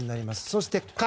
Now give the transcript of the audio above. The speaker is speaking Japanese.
そして「カ」。